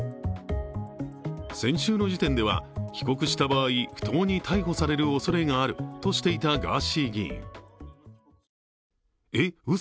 先週の時点では帰国した場合、不当に逮捕されるおそれがあるとしていたガーシー議員。